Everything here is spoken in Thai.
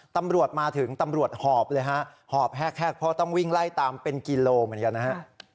ตำรวจมาถึงตำรวจหอบเลยฮะหอบแห้กเพราะต้องวิ่งไล่ตามเป็นกิโลเหมือนกันนะฮะ